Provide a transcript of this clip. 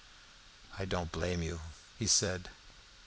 "I don't blame you," he said.